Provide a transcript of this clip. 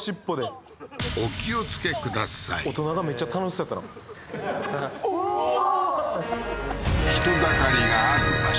お気をつけください大人がめっちゃ楽しそうやったなうわー！